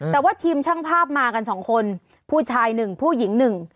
แต่ว่าทีมช่างภาพมากันสองคนผู้ชายหนึ่งผู้หญิง๑